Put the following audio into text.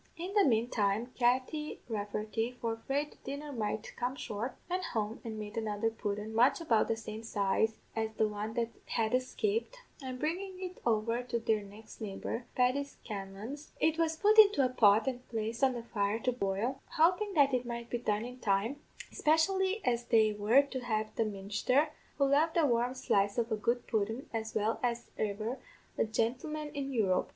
"In the manetime, Katty Rafferty, for 'fraid the dinner might come short, went home and made another pudden much about the same size as the one that had escaped, and bringin' it over to their next neighbour, Paddy Scanlan's, it was put into a pot and placed on the fire to boil, hopin' that it might be done in time, espishilly as they were to have the ministher, who loved a warm slice of a good pudden as well as e'er a gintleman in Europe.